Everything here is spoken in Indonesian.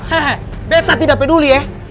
he he beta tidak peduli ya